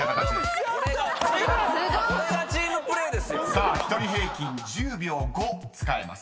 ［さあ１人平均１０秒５使えます］